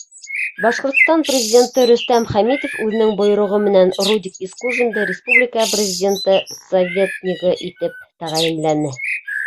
Башҡортостан Президенты Рөстәм Хәмитов үҙенең бойороғо менән Рудик Исҡужинды республика Президенты советнигы итеп тәғәйенләне.